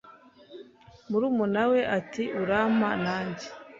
Murumuna we ati urampa nanjye